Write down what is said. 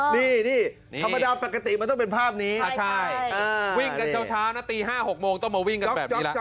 นี่ธรรมดาปกติมันต้องเป็นภาพนี้วิ่งกันเช้านะตี๕๖โมงต้องมาวิ่งกัน